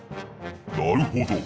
なるほど。